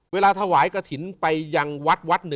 เวลาถวายกระถิ่นไปยังวัดวัด๑